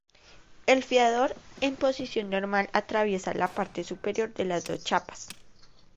El fiador en posición normal atraviesa la parte superior de las dos chapas.